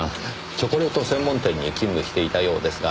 チョコレート専門店に勤務していたようですが。